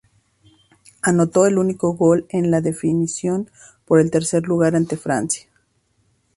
Anotó el único gol en la definición por el tercer lugar ante Francia.